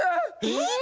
えっ？